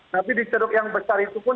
tapi di ceruk yang besar itu pun